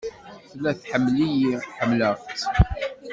Tella tḥemmel-iyi ḥemmleɣ-tt.